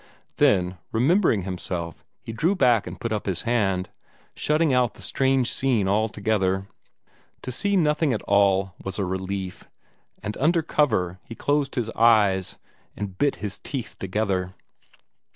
Then, remembering himself, he drew back and put up his hand, shutting out the strange scene altogether. To see nothing at all was a relief, and under cover he closed his eyes, and bit his teeth together.